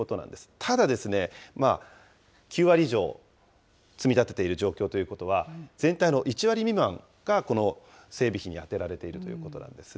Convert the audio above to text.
ただ、９割以上積み立てている状況ということは、全体の１割未満が、この整備費に充てられているということなんですね。